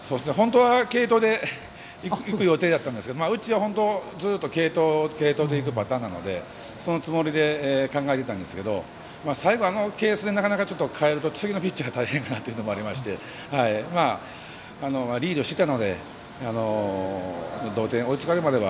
継投でいく予定だったんですがうちはずっと継投でいくパターンなのでそのつもりで考えてたんですけど最後、あのケースで代えると次のピッチャー大変かなというところもありましてリードしていたので同点に追いつかれるまでは